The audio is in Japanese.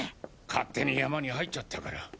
勝手に山に入っちゃったから。